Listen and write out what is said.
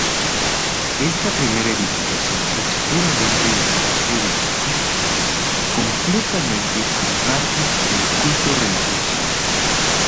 Esta primera edificación es puramente de carácter defensivo, completamente al margen del culto religioso.